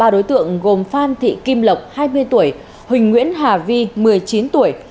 ba đối tượng gồm phan thị kim lộc hai mươi tuổi huỳnh nguyễn hà vi một mươi chín tuổi